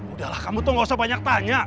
udah lah kamu tuh nggak usah banyak tanya